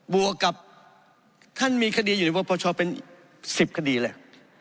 วกกับท่านมีคดีอยู่ในปปชเป็น๑๐คดีเลย